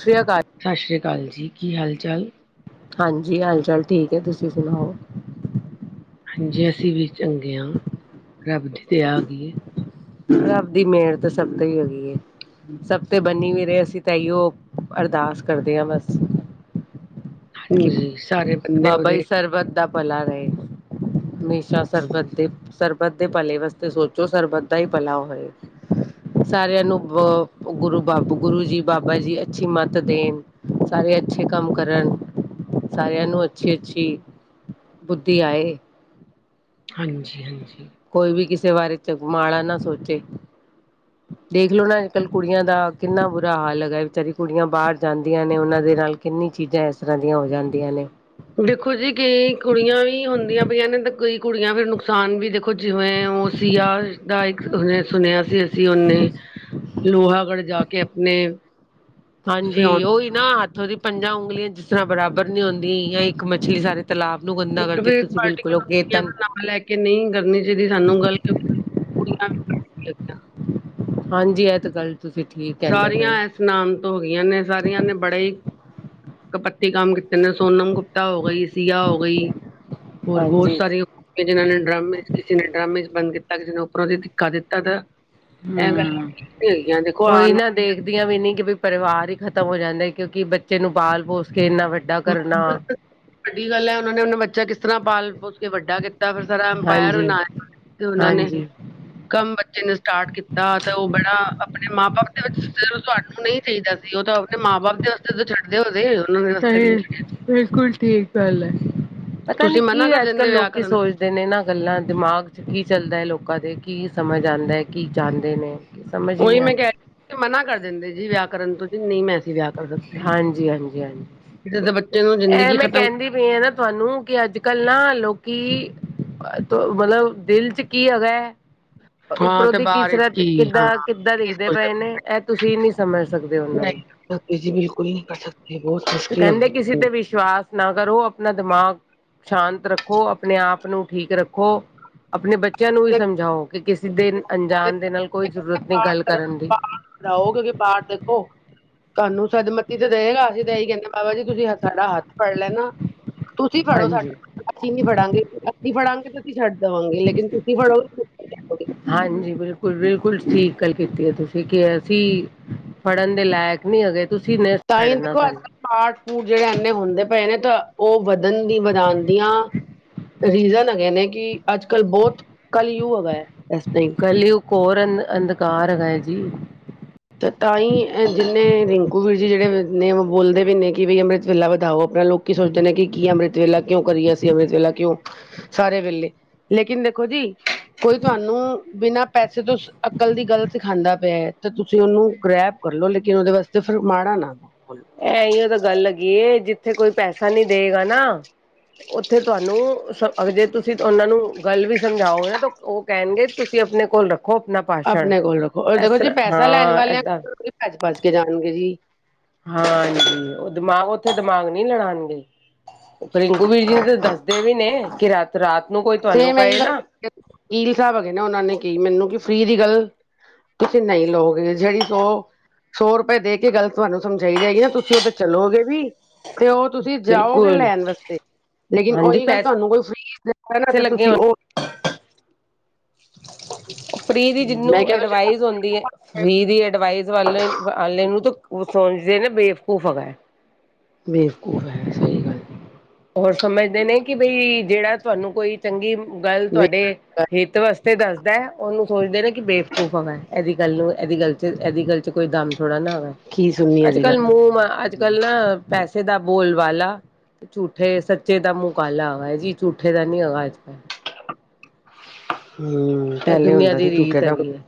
ਸ਼੍ਰੀ ਅਕਾਲ। ਸਤਿ ਸ਼੍ਰੀ ਅਕਾਲ ਜੀ, ਕੀ ਹਾਲ ਚਾਲ? ਹਾਂਜੀ, ਹਾਲ- ਚਾਲ ਠੀਕ ਹੈ। ਤੁਸੀਂ ਸੁਣਾਓ? ਹਾਂਜੀ, ਅਸੀਂ ਵੀ ਚੰਗੇ ਹਾਂ। ਰੱਬ ਦੀ, ਦਯਾ ਆ ਗਈ ਹੈ। ਰੱਬ ਦੀ ਮੇਹਰ, ਤਾਂ ਸਭ ਤੋਂ ਹੀ, ਹੈਗੀ ਹੈ। ਸਭ ਤੇ ਬੰਨੀ ਵੀ ਰਰੇ। ਅਸੀਂ ਤਾਂ ਏਹੀਓ ਅਰਦਾਸ ਕਰਦੇ ਹਾਂ, ਬਸ। ਕਿ ਹਾਂਜੀ। ਸਾਰੇ ਬੰਦੇ ਬਾਬਾ ਜੀ ਉਹਦੇ। ਸਰਬਤ ਦਾ ਭਲਾ ਰਹੇ। ਹਮੇਸ਼ਾ ਹਾਂਜੀ, ਸਰਬਤ ਦੇ- ਸਰਬਤ ਦੇ ਭਲੇ ਵਾਸਤੇ ਸੋਚੋ। ਸਰਬਤ ਦਾ ਹੀ ਭਲਾ ਹੋਏ। ਸਾਰਿਆਂ ਨੂੰ ਅ ਗੁਰੂ ਬ ਗੁਰੂ ਜੀ ਬਾਬਾ ਜੀ। ਅੱਛੀ ਮੱਤ ਦੇਣ ਸਾਰੇ ਅੱਛੇ ਕੰਮ ਕਰਨ। ਸਾਰਿਆਂ ਨੂੰ ਅੱਛੀ-ਅੱਛੀ ਬੁੱਧੀ ਆਏ। ਹਾਂਜੀ ਹਾਂਜੀ ਕੋਈ ਵੀ ਕਿਸੇ ਬਾਰੇ ਚ ਮੜਾ ਨਾ ਸੋਚੇ। ਦੇਖ ਲਓ ਨਾ। ਅੱਜ-ਕੱਲ੍ਹ ਕੁੜੀਆਂ ਦਾ ਕਿੰਨਾ ਬੁਰਾ ਹਾਲ ਹੈਗਾ, ਵਿਚਾਰੀ ਕੁੜੀਆਂ ਬਾਹਰ ਜਾਂਦੀਆਂ ਨੇ ਉਹਨਾਂ ਦੇ ਰਲ ਕਿੰਨੀ ਚੀਜ਼ਾਂ ਇਸ ਤਰ੍ਹਾਂ ਦੀਆਂ ਹੋ ਜਾਂਦੀਆਂ ਨੇ। ਦੇਖੋ ਜੀ। ਕਈ ਕੁੜੀਆਂ ਵੀ ਹੁੰਦੀਆਂ ਪਈਆਂ ਨੇ, ਤਾਂ ਕਈ ਕੁੜੀਆਂ ਫਿਰ ਨੁਕਸਾਨ ਵੀ ਦੇਖੋ। ਜਿਵੇਂ ਉਸ ਸੀਯ ਦਾ ਇੱਕ ਹੁਣੇ ਸੁਣਿਆ ਸੀ। ਸੀ। ਉਹਨੇ ਲੋਹਾਗੜ੍ਹ ਜਾ ਕੇ ਆਪਣੇ ਹਾਂਜੀ। ਫਿਓ ਉਹੀ ਨਾ ਹੱਥੋਂ ਦੀ ਪੰਜਾਂ ਉਂਗਲੀਆਂ ਜਿਸ ਤਰ੍ਹਾਂ ਬਰਾਬਰ ਨੀ ਹੁੰਦੀ। ਇੱਕ ਮਛਲੀ ਸਾਰੇ ਤਲਾਬ ਨੂੰ ਗੰ ਟੁੱਟਵੀ ਪਾਰਟੀ ਨ ਲੈ ਕੇ ਨਹੀਂ ਕਰਨੀ ਚਾਹੀਦੀ ਸਾਨੂੰ ਗੱਲ। [unintelligible] ਹਾਂਜੀ ਐ ਤੇ ਗੱਲ ਤੁਸੀਂ ਠੀਕ ਕਹਿੰਦੇ ਪਏ ਸਾਰੀਆਂ ਹੋ ਏਸ ਨਾਮ ਤੋਂ ਹੋਗੀਆਂ ਨੇ, ਸਾਰੀਆਂ ਨੇ ਬੜੇ ਈ ਕਪੱਤੀ ਕੰਮ ਕੀਤੇ ਨੇ, ਸੋਨਮ ਗੁਪਤਾ ਹੋ ਗਈ, ਸੀਆ ਹੋ ਗਈ, ਹੋਰ ਬਹੁਤ ਹਾਂਜੀ। ਸਾਰੀ ਜਿਨ੍ਹਾਂ ਨੇ ਡਰਮ ਵਿਚ, ਕਿਸੇ ਨੇ ਡਰਮਜ਼ ਬੰਦ ਕੀਤਾ। ਕਿਸੇ ਨੇ ਉੱਪਰੋਂ ਦੀ ਧੱਕਾ ਦਿੱਤਾ ਗਾ। ਹੂੰ, ਉਹੀ ਆਉਣ ਨਾ ਦੇਖਦੀਆਂ ਵੀ ਨਹੀਂ, ਕਿ ਵੀ ਪਰਿਵਾਰ ਹੀ ਖਤਮ ਹੋ ਜਾਂਦਾ। ਕਿਉਂਕਿ ਬੱਚੇ ਨੂੰ ਪਾਲ ਪੋਸ ਕੇ ਇੰਨਾ ਵੱਡਾ ਵੱਡਾ ਕਰਨਾ। ਵੱਡੀ ਗੱਲ ਐ। ਉਹਨਾਂ ਨੇ ਉਹ ਬੱਚਾ ਕਿਸ ਤਰ੍ਹਾਂ ਪਾਲ ਪੋਸ ਕੇ ਵੱਡਾ ਕਿ ਕਾਫੀ ਸਾਰਾ ਅੰਪਾਇਰ ਹਾਂਜੀ-ਹਾਂਜੀ। ਬਣਾਇਆ ਉਹਨਾਂ ਨੇ ਕੰਮ ਬੱਚੇ ਨੇ ਸਟਾਰਟ ਕੀਤਾ। ਤੇ ਉਹ ਬੜਾ ਆਪਣੇ ਮਾਂ ਬਾਪ ਦੇ ਚਲ ਜਦੋਂ ਤੁਹਾਨੂੰ ਨਹੀਂ ਚਾਹੀਦਾ ਸੀ। ਉਹ ਤਾਂ ਆਪਣੇ ਮਾਂ ਬਾਪ ਦੇ ਵਾਸਤੇ ਜਦੋਂ ਛੱਡਦੇ ਓਦੇਂ ਉਹਨਾਂ ਨੂੰ ਸਹੀ, ਬਿਲਕੁਲ ਠੀਕ ਗੱਲ ਐ। ਛੱਡ ਪਤਾ ਨੀ। ਤੁਸੀਂ ਕੀ ਮਨਾ ਕਰ ਅੱਜ ਦਿੰਦੇ ਕੱਲ੍ਹ ਵਿਆਹ ਲੋਕੀ ਕਰਨ ਤੋਂ ਸੋਚਦੇ ਨੇ ਨਾ। ਗੱਲਾਂ ਦਿਮਾਗ ਚ ਕੀ ਚੱਲਦਾ ਐ। ਲੋਕਾਂ ਦੇ ਕੀ ਸਮਝ ਆਉਂਦਾ ਐ। ਕੀ ਚਾਹੁੰਦੇ ਨੇ ਸਮਝ ਹੀ ਨਹੀਂ ਉਹੀ ਮੈਂ ਆਉਂਦਾ ਕਹਿ ਰਹੀ ਮਨਾ ਕਰ ਦਿੰਦੇ ਜੀ। ਵਿਆਹ ਕਰਨ ਤੋਂ ਜੀ, ਨਹੀਂ ਆਸੀ ਵਿਆਹ ਕਰ ਦਿੱਤੇ। ਹਾਂਜੀ ਹਾਂਜੀ ਹਾਂਜੀ ਜਿਦੇ ਬੱਚੇ ਦੀ ਜ਼ਿੰਦਗੀ ਖਤਮ ਫੇਰ ਨਾ ਤੁਹਾਨੂੰ, ਕਿ ਅੱਜ-ਕੱਲ ਨਾ ਲੋਕੀ ਮਤਲਬ ਦਿਲ ਚ ਕੀ ਹੈਗਾ ਐ। ਪਰ ਹਾਂ ਉਪਰੋਂ ਤੇ ਦੀ ਕਿਸ ਤਰ੍ਹਾਂ, ਬਾਰਿਸ਼ ਕੀ ਹਾਂ ਕਿੱਦਾਂ-ਕਿੱਦਾਂ ਕੀ ਦਿਖਦੇ ਸੋਚਦੇ ਪਏ ਨੇ, ਇਹ ਤੁਸੀਂ ਨਹੀਂ ਸਮਝ ਸਕਦੇ ਉਹਨਾਂ ਨੂੰ ਕਿਓਂਕਿ ਜੀ, ਬਿਲਕੁਲ ਨਹੀਂ ਕਰ ਸਕਦੇ, ਬਹੁਤ ਤੇ ਮੁਸ਼ਕਿਲ ਕਹਿੰਦੇ ਹੋਗੀ ਕਿਸੇ ਤੇ ਵਿਸ਼ਵਾਸ ਨਾ ਕਰੋ। ਆਪਣਾ ਦਿਮਾਗ ਸ਼ਾਂਤ ਰੱਖੋ। ਆਪਣੇ ਆਪ ਨੂੰ ਠੀਕ ਰੱਖੋ, ਆਪਣੇ ਬੱਚੇ ਚਲੋ ਸਮਝਾਓ। ਕਿ ਕਿਸੇ ਦੇ ਅਣਜਾਣ ਦੇ ਨਾਲ ਕੋਈ ਜ਼ਰੂਰਤ ਨਹੀਂ ਗੱਲ ਕਰਨ ਦੀ। ਪਾਠ ਕਰਓਗੇ ਪਾਠ ਦੇਖੋ। ਤੁਹਾਨੂੰ ਸਦਮਤੀ ਤੇ ਦੇਗਾ ਅਸੀਂ ਤਾਂ ਇਹ ਹੀ ਕਹਿੰਦੇ ਬਾਬਾ ਜੀ ਤੁਸੀਂ ਸਾਡਾ ਹੱਥ ਫੜ ਲੈਣਾ। ਤੁਸੀਂ ਫੜੋ ਹਾਂਜੀ ਸਾਡਾ। ਅਸੀਂ ਨੀ ਫੜਾਂਗੇ, ਅਸੀਂ ਫੜਾਂਗੇ ਤਾਂ ਤੁਸੀਂ ਛੱਡ ਦੇਵਾਂਗੇ। ਲੇਕਿਨ ਤੁਸੀਂ ਫੜੋਗੇ ਹਾਂਜੀ। ਬਿਲਕੁਲ -ਬਿਲਕੁਲ ਠੀਕ ਗੱਲ ਕੀਤੀ ਐ। ਤੁਸੀਂ ਕਿ ਅਸੀਂ ਫੜਨ ਦੇ ਲਾਇਕ ਨੀ ਹੈਗੇ। ਤੁਸੀਂ ਨੇ ਤਾਂ ਹੀ ਛੱਡਣਾ ਦੇਖੋ, ਸਾਨੂੰ ਅੱਜ-ਕੱਲ ਪਾਠ ਪੂਜਾ ਜਿਹੜੇ ਇਨੇ ਹੁੰਦੇ ਪਏ ਨੇ, ਤਾਂ ਉਹ ਵਧਣ ਦੀ ਵਧਾਉਂਦੀਆਂ ਰੀਜ਼ਨ ਹੈਗੇ ਨੇ ਕਿ, ਅੱਜ ਕੱਲ੍ਹ ਬਹੁਤ ਕੱਲ੍ਹ ਯੂਗ ਹੈਗਾ ਐ। ਬਸ ਤਾਈ ਪਹਿਲੀ ਘੋਰ ਅੰ ਅੰਧਕਾਰ ਹੈਗਾ ਹੈ ਜੀ। ਤੇ ਤਾਂ ਹੀ ਜਿੰਨੇ ਰਿੰਕੂ ਵੀਰ ਜੀ ਜਿਹੜੇ ਨੇ ਉਹ ਬੋਲਦੇ ਵੀ ਨੇ ਕਿ ਬਈ ਅੰਮ੍ਰਿਤ ਵੇਲਾ ਵਧਾਓ ਆਪਣਾ ਲੋਕ ਕੀ ਸੋਚਦੇ ਨੇ ਕਿ ਕੀ ਅੰਮ੍ਰਿਤ ਵੇਲਾ ਕਿਉਂ ਕਰੀਏ ਅਸੀ ਅੰਮ੍ਰਿਤ ਵੇਲਾ ਕਿਉਂ? ਸਾਰੇ ਵੇਲੇ ਲੇਕਿਨ ਦੇਖੋ ਜੀ ਕੋਈ ਤੁਹਾਨੂੰ ਬਿਨਾਂ ਪੈਸੇ ਤੋਂ ਅੱਕਲ ਦੀ ਗੱਲ ਸਿਖਾਂਦਾ ਪਿਆ ਤੇ ਤੁਸੀਂ ਉਹਨੂੰ ਗ੍ਰੈਪ ਕਰ ਲੋ ਲੇਕਿਨ ਉਹਦੇ ਵਾਸਤੇ ਫਿਰ ਮਾੜਾ ਨਾ ਬੋਲੋ ਐਹੀਓ ਤਾਂ ਗੱਲ ਹੈਗੀ ਏ ਜਿੱਥੇ ਕੋਈ ਪੈਸਾ ਨੀ ਦੇਵੇਗਾ ਨਾ ਉੱਥੇ ਤੁਹਾਨੂੰ ਜੇ ਤੁਸੀਂ ਉਹਨਾਂ ਨੂੰ ਗੱਲ ਵੀ ਸਮਝਾਓਗੇ ਨਾ ਤਾਂ ਉਹ ਕਹਿਣਗੇ ਤੁਸੀਂ ਅਪਣੇ ਕੋਲ ਰੱਖੋ ਅਪਣਾ ਅਪਣੇ ਕੋਲ ਰੱਖੋ ਓਰ ਦੇਖੋ ਜੀ ਪੈਸਾ ਲੈਣ ਵਾਲੇਆਂ ਏਦਾਂ ਕੋਲ ਭੱਜ ਭੱਜ ਕੇ ਜਾਣਗੇ ਜੀ। ਹਾਂਜੀ। ਉਹ ਦਿਮਾਗ ਉੱਥੇ ਦਿਮਾਗ ਨਹੀਂ ਲੜਾਣਗੇ। ਰਿੰਕੂ ਵੀਰ ਜੀ ਨੂੰ ਤਾਂ ਦੱਸਦੇ ਵੀ ਨੇ ਕਿ ਰਾਤ, ਰਾਤ ਨੂੰ ਕੋਈ ਤੁਹਾਨੂੰ ਸੇਮ ਇਹੀ ਕਏ ਗੱਲ ਨਾ- ਵਕੀਲ ਸਾਹਿਬ ਹੈਗੇ ਨਾ ਉਹਨਾਂ ਨੇ ਕੀ ਮੈਨੂੰ ਕਿ ਫ੍ਰੀ ਦੀ ਗੱਲ ਤੁਸੀਂ ਨਹੀਂ ਲਓਗੇ ਜਿਹੜੀ ਸੋ ਸੌ ਰੁਪਏ ਦੇ ਕੇ ਗੱਲ ਤੁਹਾਨੂੰ ਸਮਝਾਈ ਜਾਏਗੀ ਨਾ ਤੁਸੀਂ ਉਹ ਤੇ ਚਲੋਗੇ ਵੀ ਤੇ ਉਹ ਤੁਸੀਂ ਜਾਓਗੇ ਬਿਲਕੁਲ ਲੈਣ ਵਾਸਤੇ ਲੇਕਿਨ ਹਾਂਜੀ ਉਹੀ ਗੱਲ ਪੈਸੇ ਤੁਹਾਨੂੰ ਕੋਈ ਫ੍ਰੀ ਨਾ ਤੇ ਲੱਗੇ ਤੁਸੀਂ ਉਹ ਫ੍ਰੀ ਦੀ ਜਿਹਨੂੰ ਮੈਂ ਕਿਹਾ ਤੁਸੀਂ ਅਡਵਾਈਸ ਹੁੰਦੀ ਐ। ਫ੍ਰੀ ਦੀ ਅਡਵਾਈਸ ਵਾਲੇ ਵਾਲੇ ਨੂੰ ਤੇ ਉਹ ਸਮਝਦੇ ਨੇ ਬੇਵਕੂਫ ਹੈਗਾ। ਬੇਵਕੂਫ ਹੈ ਸਹੀ ਗੱਲ। ਹੋਰ ਸਮਝਦੇ ਨੇ ਕਿ ਬਈ ਜਿਹੜਾ ਤੁਹਾਨੂੰ ਕੋਈ ਚੰਗੀ ਗੱਲ ਤੁਹਾਡੇ ਬੇ- ਹਿੱਤ ਵਾਸਤੇ ਦੱਸਦਾ ਹੈ ਉਹਨੂੰ ਸੋਚਦੇ ਨੇ ਕਿ ਬੇਵਕੂਫ ਵੈ ਇਹਦੀ ਗੱਲ ਨੂੰ ਇਹਦੀ ਗੱਲ ਚ ਇਹਦੀ ਗੱਲ ਚ ਕੋਈ ਦਮ ਥੋੜਾ ਨਾ ਆਵੈ। ਕੀ ਸੁਣਨੀ ਅੱਜ -ਕੱਲ ਮੂੰਹ ਗੱਲ ਅੱਜ-ਕੱਲ ਨਾ ਪੈਸੇ ਦਾ ਬੋਲ ਬਾਲਾ ਝੂੱਠੇ ਸੱਚੇ ਦਾ ਮੂੰਹ ਕਾਲਾ ਹੋਵਾ ਜੀ ਝੂਠੇ ਦਾ ਨੀ ਹੈਵਾ ਅੱਜ- ਕੱਲ। [inaudible] ਇਹ ਪਹਿਲੇ ਦੁਨੀਆਂ ਹੁੰਦਾ ਸੀ ਦੀ ਝੂਠੇ ਰੀਤ ਦਾ ਹੈਗੀ ਏ।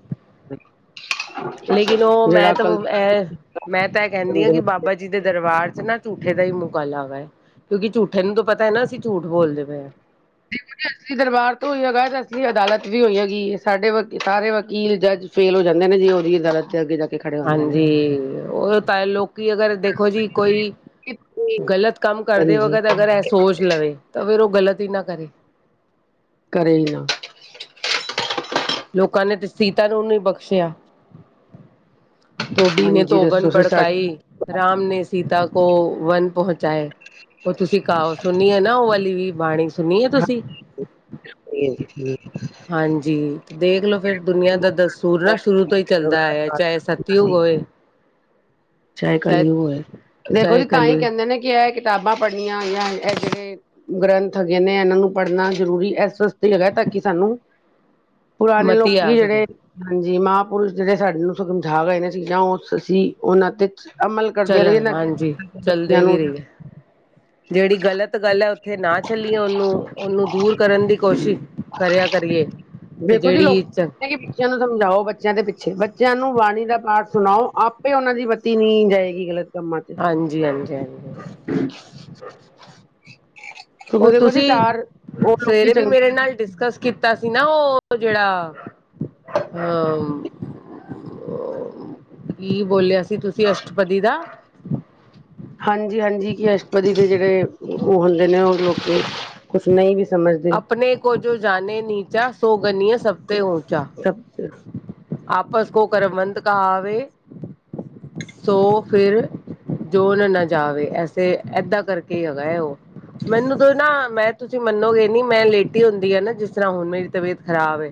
ਲੇਕਿਨ ਉਹ ਜਿਹੜਾ ਮੈਂ ਤਾਂ ਅਕਲ ਦੀ ਇਹ ਮੈਂ ਤਾਂ ਇਹ ਕਹਿੰਦੀ ਹਾਂ ਕਿ ਬਾਬਾ ਸਮਝਣ ਬਾਬਾ ਜੀ ਦੇ ਦਰਬਾਰ ਚ ਨਾ ਝੂੱਠੇ ਦਾ ਹੀ ਮੁਹ ਕਾਲਾ ਹੋਵੈ। ਕਿਉਂਕਿ ਝੂਠੇ ਨੂੰ ਤਾਂ ਪਤਾ ਹੈ ਨਾ ਅਸੀਂ ਝੂਠ ਬੋਲਦੇ ਪਏ ਹਾਂ। [inaudible] ਅਹਲੀ ਦਰਬਾਰ ਤੋਂ ਹੋਈ ਹੈਗਾ ਤੇ ਅਸਲੀ ਅਦਾਲਤ ਵੀ ਹੋਈ ਹੈਗੀ ਸਾਡੇ ਵਾਕੀ ਸਾਰੇ ਵਕੀਲ ਜੱਜ ਫੇਲ ਹੋ ਜਾਂਦੇ ਨੇ ਜੀ ਉਹਦੀ ਅਦਾਲਤ ਤੇ ਅੱਗੇ ਜਾ ਕੇ ਖੜੇ ਹੁੰਦੇ ਨੇ ਹਾਂਜੀ ਉਹ ਤਾਂ ਲੋਕੀ ਅਗਰ ਦੇਖੋ ਜੀ ਕੋਈ ਗ਼ਲਤ ਕੰਮ ਕਰਦੇ ਹਾਂਜੀ ਵਗਤ ਅਗਰ ਇਹ ਸੋਚ ਲਵੇ ਤਾਂ ਫਿਰ ਉਹ ਗ਼ਲਤ ਹੀ ਨਾ ਕਰੇ। ਕਰੇ ਏ। ਲੋਕਾਂ ਨੇ ਤੇ ਸੀਤਾ ਨੂੰ ਨਹੀਂ ਬਖਸ਼ਿਆ। ਧੋਬੀ ਨੇ ਹਾਂਜੀ ਤਓਵਨ ਦੱਸੋ ਫਿਰ ਸਾ ਭੜਕਾਈ ਰਾਮ ਨੇ ਸੀਤਾ ਕੋ ਵਨ ਪਹੁੰਚਾਏ। ਉਹ ਤੁਸੀਂ ਕਾਹਵਤ ਸੁਣੀ ਹੈ ਨਾ ਉਹ ਵਾਲੀ ਵੀ ਬਾਣੀ ਸੁਣੀ ਹੈ ਤੁਸੀਂ? [unintelligible] ਹਾਂਜੀ। ਦੇਖ ਲੋ ਫੇਰ ਦੁਨੀਆਂ ਦਾ ਦਸ ਸੂਰ ਨਾ ਸ਼ੁਰੂ ਤੋਂ ਹੀ ਚੱਲਦਾ ਆਇਆ ਚਾਹੇ ਸਤਿਯੁਗ ਹੋਏ [inaudible] ਚੇ ਚਾਹੇ ਕੱਲਯੁਗ ਹੋਏ, ਦੇਖੋ ਜੀ ਚਾਹੇ ਤਾਂ ਹੀ ਕਲਯੁਗ ਕਹਿੰਦੇ ਨੇ ਕਿ ਇਹ ਕਿਤਾਬਾਂ ਪੜ੍ਹਨੀਆਂ ਜਾਂ ਇਹ ਜਿਹੜੇ ਗ੍ਰੰਥ ਹੈਗੇ ਨੇ ਇਹਨਾਂ ਨੂੰ ਪੜ੍ਹਨਾ ਜ਼ਰੂਰੀ ਇਸ ਵਾਸਤੇ ਹੈਗਾ ਤਾਂ ਕਿ ਸਾਨੂੰ ਪੁਰਾਣੇ ਮਤੀ ਆ ਲੋਕੀ ਸਕੇ ਜਿਹੜੇ ਹਾਂਜੀ ਮਹਾਂਪੁਰਸ਼ ਜਿਹੜੇ ਸਾਡੇ ਨੂੰ ਸਮਝਾਗੇ ਚੀਜ਼ਾਂ ਉਹ ਸੀ ਉਹਨਾਂ ਤੇ ਤੁਸ ਅਮਲ ਕਰ ਚਲਣ ਹਾਂਜੀ ਚੱਲਦੇ ਵੀ ਰਹੀ ਅ। ਜਿਹੜੀ ਗ਼ਲਤ ਗੱਲ ਹੈ ਉੱਥੇ ਨਾ ਚੱਲੀਏ ਉਹਨੂੰ-ਉਹਨੂੰ ਦੂਰ ਕਰਨ ਦੀ ਕੋਸ਼ਿਸ਼- ਕਰਿਆ ਕਰੀਏ। ਤੇ ਦੇਖੋ ਜੀ, ਲੋਕ ਜਿਹੜੀ [unintelligible] ਬੱਚਿਆਂ ਨੂੰ ਸਮਝਾਓ ਬੱਚਿਆਂ ਦੇ ਪਿੱਛੇ, ਬੱਚਿਆਂ ਨੂੰ ਬਾਣੀ ਦਾ ਪਾਠ ਸੁਣਾਓ। ਆਪੇ ਉਹਨਾਂ ਦੀ ਬ ਨਹੀਂ ਜਾਏਗੀ ਗਲਤ ਕੰਮਾਂ'ਚ ਹਾਂਜੀ- ਹਾਂਜੀ- ਹਾਂਜੀ। ਕਿਉਂਕਿ ਉਹ ਦੇਖੋ ਜੀ ਤੁਸੀਂ, ਚਾਰ ਉਹ ਲੋਕੀ ਸਵੇਰੇ ਵੀ ਚੰਗੇ ਮੇਰੇ ਨਾਲ ਡਿਸਕਸ ਕੀ ਕੀਤਾ ਸੀ ਨਾ, ਉਹ ਜਿਹੜਾ ਅ ਕੀ ਬੋਲਿਆ ਸੀ ਤੁਸੀ? ਅਸ਼ਟਪਦੀ ਦਾ। ਹਾਂਜੀ-ਹਾਂਜੀ, ਕਿ, ਅਸ਼ਟਪਦੀ ਦੇ ਜਿਹੜੇ ਉਹ ਹੁੰਦੇ ਨੇ, ਉਹ ਲੋਕੀ ਕੁਛ ਨਹੀਂ ਵੀ, ਸਮਝਦੇ। ਅਪਨੇ ਕੋ ਜੋ ਜਾਨੇ ਨੀਚਾ, ਸੋ ਗਨੀਏ ਸਭ ਤੇ ਊਚਾ ਸ [unintelligible] ਆਪਸ ਕੋ ਕਰਵੰਤ ਕਹਾਵੇ ਸੋ ਫਿਰ ਜੋਨ ਨਾ ਜਾਵੇ, ਐਸੇ, ਏਦਾਂ ਕਰਕੇ ਹੀ ਹੈਗਾ ਹੈ, ਉਹ ਮੈਨੂੰ ਤੋ ਨਾ, ਮੈਂ ਤੁਸੀਂ ਮੰਨੋਗੇ ਨੀ ਮੈਂ ਲੇਟੀ ਹੁੰਦੀ ਆ ਨਾ ਜਿਸ ਤਰ੍ਹਾਂ, ਹੁਣ ਮੇਰੀ ਤਬੀਅਤ ਖ਼ਰਾਬ ਏ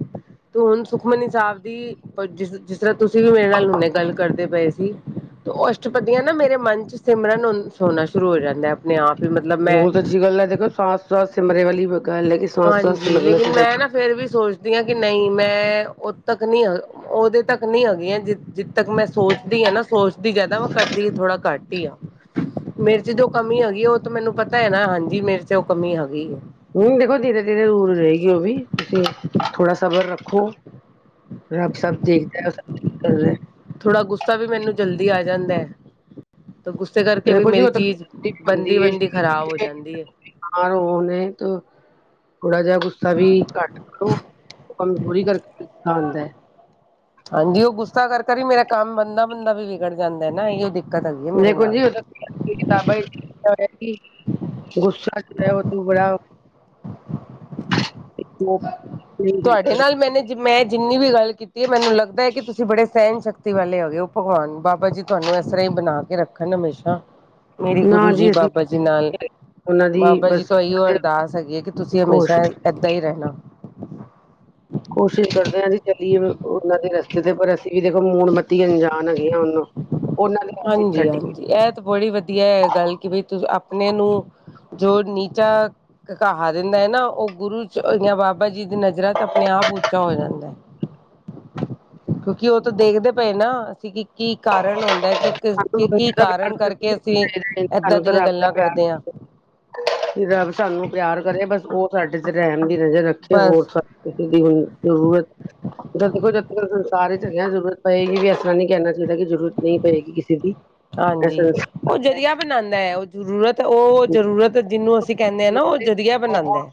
ਤੋ ਹੁਣ, ਸੁਖਮਨੀ ਸਾਹਿਬ ਦੀ, ਜਿਸ, ਜਿਸ ਤਰ੍ਹਾਂ ਤੁਸੀਂ ਵੀ ਮੇਰੇ ਨਾਲ ਹੁਨੇ ਗੱਲ ਕਰਦੇ ਪਏ ਸੀ। ਉਹ ਅਸ਼ਟਪਦੀਆਂ ਨਾ, ਮੇਰੇ ਮਨ'ਚ ਸਿਮਰਨ ਹੋਣਾ ਸ਼ੁਰੂ ਹੋ ਜਾਂਦਾ ਆਪਣੇ ਆਪ ਹੀ ਮਤਲਬ, ਮੈਂ ਜੀ ਗੱਲ ਹੈ ਦੇਖੋ, ਸਵਾਸ, ਸਾਸ ਸਿਮਰੇ ਵਾਲੀ ਗੱਲ ਹੈ, ਕਿ ਸਾਸ ਸਾਸ ਹਾਂਜੀ, ਲੇਕਿਨ ਸਿਮਰਨਾ ਮੈਂ ਨਾ ਫਿਰ ਵੀ ਸੋਚਦੀ ਹਾਂ ਕਿ ਨਹੀਂ, ''ਮੈਂ ਉਓਦ ਤੱਕ ਨਹੀਂ ਉਹਦੇ ਤੱਕ ਨਹੀਂ ਹੋਗੀਆਂ, ਜ, ਜਿੱਥ ਤੱਕ ਮੈਂ ਸੋਚਦੀ ਹਾਂ ਨਾ, ਸੋਚਦੀ ਜ਼ਿਆਦਾ ਵਾ, ਕਰਦੀ ਹ, ਥੋੜ੍ਹਾ ਘੱਟ ਹੀ ਆ। ਮੇਰੇ'ਚ ਜੋ ਕਮੀ ਹੋਗੀ ਉਹ ਤਾਂ ਮੈਨੂੰ ਪਤਾ ਹੈ ਨਾ, ਹਾਂਜੀ, ਮੇਰੇ'ਚ ਉਹ ਕਮੀ ਹੋਗੀ। ਨਹੀ ਦੇਖੋ, ਧੀਰੇ- ਧੀਰੇ ਦੂਰ ਜਾਇਗੀ ਉਹ ਵੀ, ਤੁਸੀਂ ਥੋੜਾ ਸਬਰ ਰੱਖੋ। ਰਬ ਸਭ ਦੇਖਦਾ, ਓ ਸਭ ਠੀਕ ਕਰਦਾ। ਥੋੜ੍ਹਾ ਗੁੱਸਾ ਵੀ ਮੈਨੂੰ, ਜਲਦੀ ਆ ਜਾਂਦਾ ਹੈ। ਤੋ ਗੁੱਸੇ ਕਰਕੇ ਵੀ ਦੇਖੋ ਜੀ ਮੇਰੀ ਉਹ ਤਾਂ ਚੀਜ਼, ਬਣਦੀ ਹੈ ਬਨਦੀ-ਬਨਦੀ ਖ਼ਰਾਬ ਹੋ ਜਾਂਦੀ ਏ। ਬਿਮਾਰ ਹੋ ਨੇ ਤੋ, ਥੋੜਾ ਜਿਹਾ ਗੁੱਸਾ ਵੀ ਘੱਟ ਕਰੋ। ਉਹ, ਕਮ ਥੋੜੀ ਕਰਕੇ ਖਾਂਦਾ ਏ। ਹਾਂਜੀ, ਉਹ ਗੁੱਸਾ ਕਰ-ਕਰ ਈ, ਮੇਰਾ ਕੰਮ ਬਨਦਾ- ਬੰਦਾ ਵੀ ਵਿਗੜ ਜਾਂਦਾ ਨਾ ਏਹੀਓ ਦਿ ਦੇਖੋ ਜੀ ਉਹ ਕਿਤਾਬਾਂ ਹੀ [unintelligible] ਗੁੱਸਾ ਕਰੇ ਓ, ਤੋ ਬੜਾ [unintelligible] ਤੁਹਾਡੇ ਨਾਲ ਮੈਨੇ ਕੀ, ਮੈਂ ਜਿੰਨੀ ਵੀ ਗੱਲ ਕੀਤੀ ਏ ਮੈਨੂੰ ਲੱਗਦਾ ਹੈ ਕਿ, ਤੁਸੀਂ ਬੜੇ ਸਹਿਣ-ਸ਼ਕਤੀ ਵਾਲੇ ਹੈਗੇ ਹੋ, ਭਗਵਾਨ ਬਾਬਾ ਜੀ ਤੁਹਾਨੂੰ ਇਸ ਤਰ੍ਹਾਂ ਹੀ ਬਣਾਕੇ ਰੱਖਣ ਹਮੇਸ਼ਾ, ਮੇਰੇ ਨਾ ਗੁਰੂ ਜੀ ਅਸੀਂ ਬਾਬਾ ਜੀ ਨਾਲ ਉਹਨਾਂ ਦੀ ਬਾਬਾ ਜੀ ਬਸ ਤੋਂ ਇਹੀਓ ਅਰਦਾਸ ਹੈਗੀ ਹੈ ਕਿ, ਤੁਸੀਂ ਹਮੇਸ਼ਾ ਕੋਸ਼ਿਸ਼ ਐਦਾਂ ਹੀ ਰਹਿਣਾ। ਕੋਸ਼ਿਸ਼ ਕਰਦੇ ਹਾਂ, ਜੀ ਉਹਨਾਂ ਦੇ ਰਸਤੇ ਤੇ ਪਰ, ਅਸੀਂ ਵੀ ਦੇਖੋ, ਮੂੜ ਮੱਤੀ ਅਣਜਾਨ ਹੈਗੀ ਹ ਉਹਨੂੰ। ਉਹਨਾਂ ਦੇ ਹੱਥ ਵਿੱਚ ਛੱਡੀ ਹਾਂਜੀ-ਹਾਂਜੀ, ਇਹ ਤਾਂ ਬੜੀ ਵਧੀਆ ਹੈ ਗੱਲ ਕਿ ਬਈ, ਤੁਸੀ ਆਪਣੇ ਨੂੰ ਜੋ ਨੀਚਾ ਕਹਾ ਦਿੰਦਾ ਹੈ ਨਾ, ਉਹ ਗੁਰੂ'ਚ ਜਾਂ ਬਾਬਾ ਜੀ ਦੀ ਨਜ਼ਰਾ'ਚ ਆਪਣੇ-ਆਪ ਉੱਚਾ ਹੋ ਜਾਂਦਾ। ਕਿਉਂਕਿ ਉਹ ਤਾਂ ਦੇਖਦੇ ਪਏ ਨਾ, ਅਸੀਂ ਕਿ, ਕੀ ਕਾਰਨ ਹੋਦਾ ਏ ਕ, ਸਾਨੂੰ ਕੀ ਦੁਨੀਆਂ ਦਾ ਪਿਆਰ ਕਾਰਨ ਤੇ ਕਰਕੇ ਕੁਛ ਅਸੀਂ, ਏਦਾਂ ਦੀਆਂ ਗੱਲਾਂ ਕਰਦੇ ਆਂ। ਰਬ ਸਾਨੂੰ ਪਿਆਰ ਕਰੇ ਬਸ ਉਹ ਸਾਡੇ ਤੇ ਰਹਿਮ ਦੀ ਨਜ਼ਰ ਰੱਖੇ ਹੋਰ ਬਸ ਇਸੇ ਦੀ ਹਣ ਜ਼ਰੂਰਤ ਤਾਂ ਦੇਖੋ ਜਦ ਤੱਕ ਸੰਸਾਰ ਚ ਗਿਆ ਜ਼ਰੂਰਤ ਪਏਗੀ ਵੀ ਇਸ ਤਰ੍ਹਾਂ ਨਹੀਂੀ ਕਹਿਣਾ ਚਾਹੀਦਾ ਕਿ ਜ਼ਰੂਰਤ ਨਹੀਂ ਪਏਗੀ ਕਿਸੇ ਦੀ। ਇਹ ਹਾਂਜੀ। ਉਹ ਸੰਸਾਰ ਹੈ, ਜ਼ਰੀਆ ਬਣਾਂਦਾ ਏ, ਉਹ ਜ਼ਰੂਰਤ, ਉਹ ਜ਼ਰੂਰਤ ਜਿਹਨੂੰ ਅਸੀਂ ਕਹਿੰਨੇ ਆ, ਨਾ ਉਹ ਜਰੀਆ ਬਣਾਂਦਾ।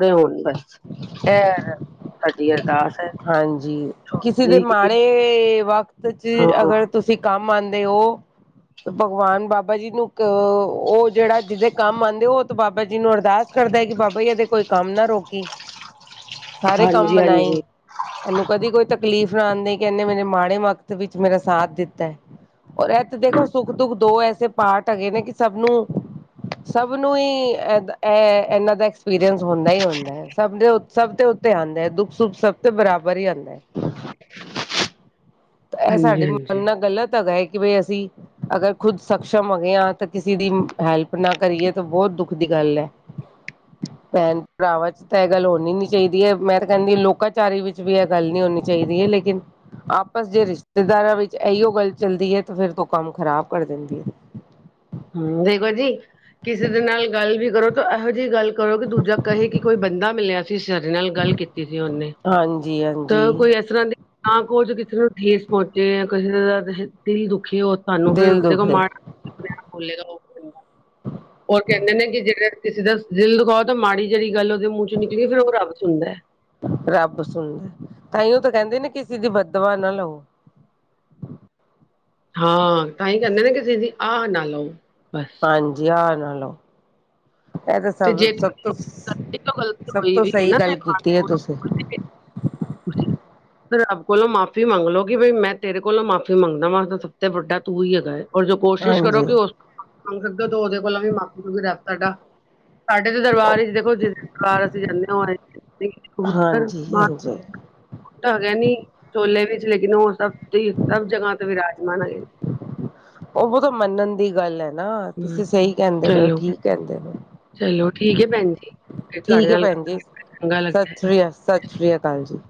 ੜੇ ਹੋਣ ਬਸ [unintelligible] ਸਾਡੀ ਅਰਦਾਸ ਹੈ ਹਾਂਜੀ। ਕਿਸੇ ਦੇ ਮਾੜੇ, ਵਕਤ'ਚ ਹਾਂ ਅਗਰ ਤੁਸੀ ਕੰਮ ਆਂਦੇ ਓ ਭਗਵਾਨ ਬਾਬਾ ਜੀ ਨੂੰ, ਅ, ਉਹ ਜਿਹੜਾ ਜਿਹਦੇ ਕੰਮ ਆਂਦੇ ਉਹ ਤਾ, ਬਾਬਾ ਜੀ ਨੂੰ ਅਰਦਾਸ ਕਰਦਾ ਕਿ ਬਾਬਾ ਜੀ ਇਹਦੇ ਕੋਈ ਕੰਮ ਨਾ ਰੋਕੀ, ਸਾਰੇ ਕੰਮ ਹਾਂਜੀ ਮਨਾਈ। ਹਾਂਜੀ ਇਹਨੂੰ ਕਦੀ ਕੋਈ ਤਕਲੀਫ਼ ਨਾ ਆਉਂਦੀ ਕਿ ਇਹਨੇ ਮੇਰੇ ਮਾੜੇ ਮਕਤ ਵਿੱਚ ਮੇਰਾ ਸਾਥ ਦਿੱਤਾ ਹੈ ਔਰ ਇਹ ਤੇ ਦੇਖੋ ਸੁੱਖ ਦੁੱਖ ਦੋ ਐਸੇ ਪਾਟ ਹੈਗੇ ਨੇ ਕਿ ਸਭ ਨੂੰ ਸਭ ਨੂੰ ਹੀ ਇਹ ਇਹਨਾਂ ਦਾ ਐਕਸਪੀਰੀਅੰਸ ਹੁੰਦਾ ਹੀ ਹੁੰਦਾ ਹੈ ਸਭ ਦੇ ਸਭ ਤੇ ਉੱਤੇ ਆਉਂਦੇ ਹੈ ਦੁੱਖ ਸੁੱਖ ਸਭ ਤੇ ਬਰਾਬਰ ਹੀ ਆਉਂਦਾ ਹੈ ਇਹ ਸਾਡੀੇ ਮਨ ਹਾਂਜੀ-ਹਾਂਜੀ, ਨਾਲ ਗ਼ਲਤ ਹੈਗਾ ਹੈ ਕਿ ਬ ਅਸੀਂ ਅਗਰ ਖੁੱਦ ਸਕਸ਼ਮ ਹੋਗੇ ਹ ਤਾਂ ਕਿਸੇ ਦੀ ਹੈਲਪ ਨਾ ਕਰੀਏ ਤਾਂ ਬਹੁਤ ਦੁੱਖ ਦੀ ਗੱਲ ਹੈ ਭੈਣ ਭਰਾਵਾਂ ਚ ਤਾਂ ਇਹ ਗੱਲ ਹੋਣੀ ਨੀ ਚਾਹੀਦੀ ਹੈ ਮੈਂ ਤਾਂ ਕਹਿੰਦੀ ਲੋਕਾਂ ਚ- ਵਿਚਾਰੀ ਵਿੱਚ ਵੀ ਇਹ ਗੱਲ ਨਹੀਂ ਹੋਣੀ ਚਾਹੀਦੀ ਹੈ ਲੇਕਿਨ ਆਪਸ ਜੇ ਰਿਸ਼ਤੇਦਾਰਾਂ ਵਿੱਚ ਇਹੀਓ ਗੱਲ ਚੱਲਦੀ ਹੈ ਤਾਂ ਫਿਰ ਤੂੰ ਕੰਮ ਖ਼ਰਾਬ ਕਰ ਦਿੰਦੀ ਹੈ! ਹਮ ਦੇਖੋ ਜੀ ਕਿਸੇ ਦੇ ਨਾਲ ਗੱਲ ਵੀ ਕਰੋ ਤਾਂ ਇਹੋ ਜਿਹੀ ਗੱਲ ਕਰੋ ਕਿ ਦੂਜਾ ਕਹੇ ਕਿ ਕੋਈ ਬੰਦਾ ਮਿਲਿਆ ਸੀ ਸਿਆਰੇ ਨਾਲ ਗੱਲ ਕੀਤੀ ਸੀ ਉਹਨੇ ਜੀ ਹਾਂਜੀ ਤਾਂ ਕੋਝ ਕਿਸੇ ਨੂੰ ਠੇਸ ਪਹੁੰਚੇ ਜਾਂ ਕਿਸੇ ਦਾ ਦਿਲ ਦੁਖੇ ਹੋ ਸਾਨੂੰ ਫਿਰ ਦਿਲ ਦੇਖੋ ਦੁਖੇ ਮਾੜ ਖੁੱਲੇ ਦੁਖ ਹੂੰਦਾ [unintelligible] ਉਹਰ ਕਹਿੰਦੇ ਨੇ ਕਿ ਜਿਹੜਾ ਕਿਸੇ ਦਾ ਦਿਲ ਦਿਖਾਓ ਤਾਂ ਮਾੜੀ ਜਿਹੜੀ ਗੱਲ ਉਹਦੇ ਮੂੰਹ ਚੋਂ ਨਿਕਲੀਗੀ ਫਿਰ ਉਹ ਰੱਬ ਸੁਣਦਾ ਹੈ ਰੱਬ ਸੁਣਦਾ ਤਾਂਹੀ ਉਹ ਤਾਂ ਕਹਿੰਦੇ ਨਾ ਕਿਸੇ ਦੀ ਬਦਵਾ ਨਾ ਲਵੋ ਹਾਂ ਤਾਂ ਹੀ ਕਹਿੰਦੇ ਨਾ ਕਿਸੇ ਦੀ ਆਹ ਨਾ ਲਓ ਬਸ ਹਾਂਜੀ ਆਹ ਨਾਲੋਂ ਇਹ ਤਾਂ ਤੇ ਸਭ ਜੇ ਸਭ ਤੋਂ ਤੁਹਾਡੀ ਗਲਤੀ ਤੋਂ ਗਲਤੀ ਸਭ ਹੋਈ ਤੋਂ ਵੀ ਹੈ ਸਹੀ ਨਾ ਤੇ ਗੱਲ ਕੀਤੀ ਹੈ ਤੁਸੀਂ- ਖਸੀੀ ਤੇ ਆਪ ਕੋਲ ਮਾਫ਼ੀ ਮੰਗ ਲਓ ਕਿ ਬ ਮੈਂ ਤੇਰੇ ਕੋਲ ਮਾਫ਼ੀ ਮੰਗਦਾ ਮੈਂ ਤਾਂ ਸਭ ਤੋਂ ਵੱਡਾ ਤੂੰ ਹੀ ਹੈਗਾ- ਔਰ ਜੋ ਕੋਸ਼ਿਸ਼ ਕਰੋ ਹਾਂਜੀ, ਕਿ ਉਸ ਸਕ ਤਾਂ ਉਹਦੇ ਕੋਲ ਵੀ ਮਾਪੇ ਨੂੰ ਵੀ ਰਹਿ ਸਾਡਾ ਸਾਡੇ ਤੇ ਦਰਬਾਰ ਹੀ ਦੇਖੋ ਜਿਸਕਾਰ ਅਸੀਂ ਜਾਂਦੇ ਹੋ- ਹਾਂਜੀ ਹਾਂਜੀ ਤਾਂ ਹੈਗਾ ਨੀ ਛੋਲੇ ਵਿੱਚ ਲੇਕਿਨ ਉਹ ਸਭ ਸਭ ਜਗ੍ਹਾ ਤੋਂ ਵਿਰਾਜਮਾਨ ਹੈਗੇ ਉਹ ਅਗੋ ਤਾਂ ਮੰਨਣ ਦੀ ਗੱਲ ਹੈ ਨਾ ਹੂੰ ਤੁਸੀਂ ਸਹੀ ਕਹਿੰਦੇ ਪਏ ਚਲੋ ਠੀਕ ਕਹਿੰਦੇ ਪ- ਚਲੋ ਠੀਕ ਹੈ ਭੈਣ ਜੀ ਫਿਰ ਠੀਕ ਤੁਹਾਡੇ ਹੈ ਨਾਲ ਭੈਣ ਜੀ ਚੰਗਾ ਲੱਗਿਆ ਸਤਿ ਸ੍ਰੀ ਅ ਸਤਿ ਸ੍ਰੀ ਅਕਾਲ ਜੀ!